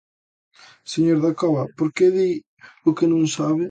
Señor Dacova, ¿por que di o que non sabe?